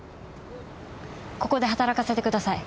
ここで働かせてください。